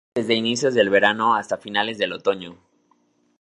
Florecen desde inicios del verano hasta finales del otoño.